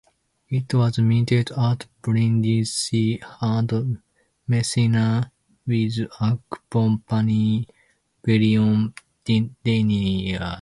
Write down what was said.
It was minted at Brindisi and Messina with accompanying bullion deniers.